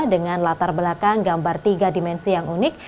dengan latar belakang gambar tiga dimensi yang unik